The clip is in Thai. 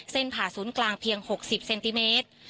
ผ่าศูนย์กลางเพียง๖๐เซนติเมตร